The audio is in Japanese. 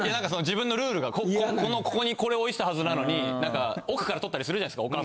自分のルールがここにこれ置いてたはずなのになんか奥から取ったりするじゃないですか。